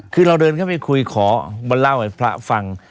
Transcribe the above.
คือเราเดินเข้าไปคุยขอมาเล่าให้พระฟัง